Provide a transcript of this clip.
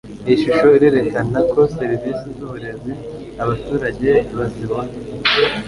iyi shusho irerekana ko serivisi z'uburezi abaturage bazibona